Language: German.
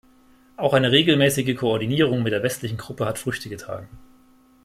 Auch eine regelmäßige Koordinierung mit der westlichen Gruppe hat Früchte getragen.